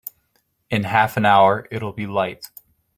In half an hour it'll be light.